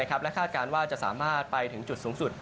หากาจการว่าจะสามารถไปที่จุดสูงสุด